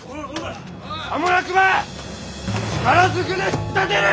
さもなくば力ずくで引っ立てる！